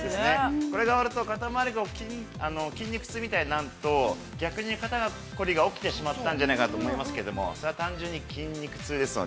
◆これが終わると、肩回りの筋肉痛みたいになると、逆に肩凝りが起きてしまったんじゃないかなと思いますが、それは単純に筋肉痛ですので。